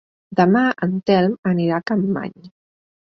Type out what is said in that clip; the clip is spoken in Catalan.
Demà en Telm anirà a Capmany.